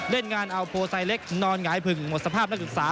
เล่นงานเอาโปรไซเล็กนอนหงายผึ่งหมดสภาพนักศึกษา